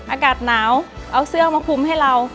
อากาศหนาวเอาเสื้อมาคุมให้เรา